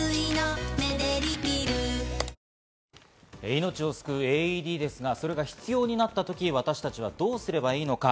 命を救うＡＥＤですが、それが必要になったとき、私たちはどうすればいいのか。